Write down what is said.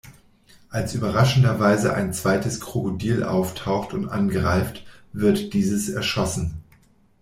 Als überraschenderweise ein zweites Krokodil auftaucht und angreift, wird dieses erschossen.